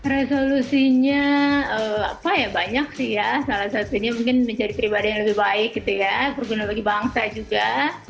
resolusinya banyak sih ya salah satunya mungkin menjadi pribadi yang lebih baik gitu ya berguna bagi bangsa juga